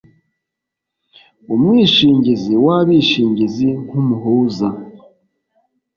umwishingizi w abishingizi nk umuhuza